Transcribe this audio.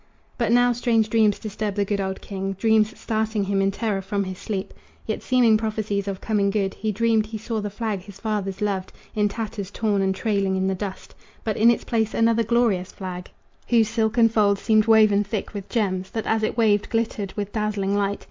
But now strange dreams disturb the good old king Dreams starting him in terror from his sleep, Yet seeming prophecies of coming good. He dreamed he saw the flag his fathers loved In tatters torn and trailing in the dust, But in its place another glorious flag, Whose silken folds seemed woven thick with gems That as it waved glittered with dazzling light.